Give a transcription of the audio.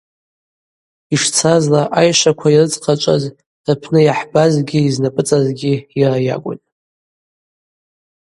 Йщцазла айшваква йрыдзхъачӏваз рпны йахӏбазгьи йызнапӏыцӏазгьи йара йакӏвын.